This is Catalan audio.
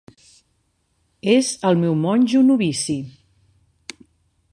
És el meu monjo novici.